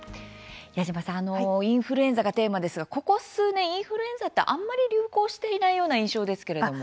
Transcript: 矢島さんインフルエンザがテーマですがここ数年、インフルエンザってあんまり流行していないような印象ですけれども。